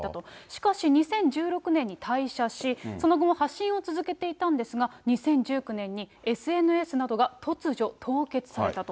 しかし２０１６年に退社し、その後も発信は続けていたんですが、２０１９年にＳＮＳなどが突如凍結されたと。